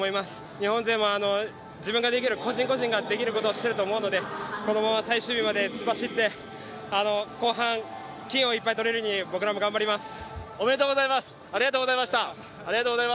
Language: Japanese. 日本勢も自分ができる、個人個人ができることをしていると思うのでこのまま最終日まで突っ走って、後半、金をいっぱい取れるように僕らも頑張ります。